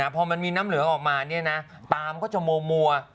พอมันมีน้ำเหลืองออกมาตามก็จะมัว